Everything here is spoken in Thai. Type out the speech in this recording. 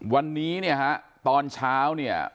วันนี้เนี่ยฮะตอนเช้าเนี่ย